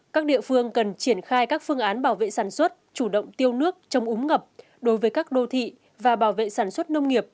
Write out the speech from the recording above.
các địa phương cần triển khai các phương án bảo vệ sản xuất chủ động tiêu nước trong úng ngập đối với các đô thị và bảo vệ sản xuất nông nghiệp